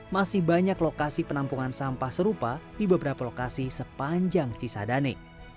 masih banyak lokasi penampungan sampah serupa di beberapa lokasi sepanjang cisadane